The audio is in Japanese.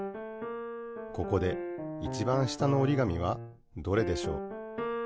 ここでいちばん下のおりがみはどれでしょう？